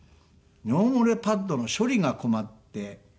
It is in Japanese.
尿漏れパッドの処理が困って。